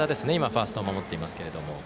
ファーストを守っていますが。